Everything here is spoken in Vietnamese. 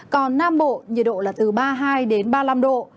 còn nam bộ nhiệt độ là từ ba mươi hai đến ba mươi năm độ